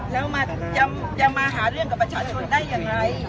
แล้วจะมาหาเรื่องกับประชาชนได้ยังไง